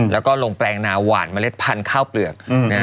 แล้วก็ลงแปลงนาหวานเมล็ดพันธุ์ข้าวเปลือก